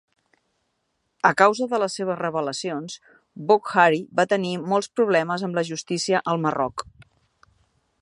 A causa de les seves revelacions, Boukhari va tenir molts problemes amb la justícia al Marroc.